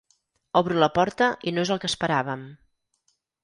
Obro la porta i no és el que esperàvem.